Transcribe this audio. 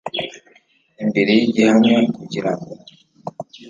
imbere y’igihamya kugira ngo